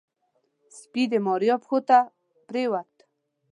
سپي د ماريا پښو ته پرېوت.